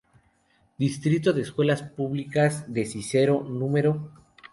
Distrito de Escuelas Públicas de Cícero No.